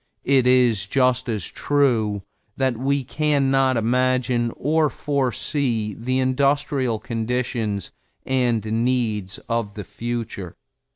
It is just as true that we can not imagine or foresee the industrial conditions and needs of the future.